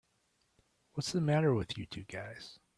What's the matter with you two guys?